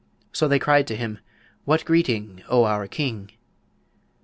So they cried to him, 'What greeting, O our King?'